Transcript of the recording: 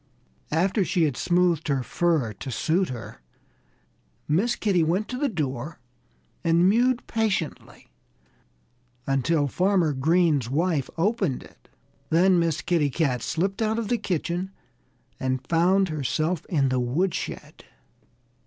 After she had smoothed her fur to suit her, Miss Kitty went to the door and mewed patiently until Farmer Green's wife opened it. Then Miss Kitty Cat slipped out of the kitchen and found herself in the woodshed.